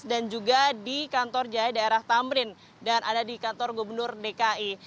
dan juga di kantor jaya daerah tamrin dan ada di kantor gubernur dki